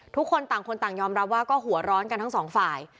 ทุกคนต่างคนต่างยอมรับว่าก็หัวร้อนกันทั้งสองฝ่าย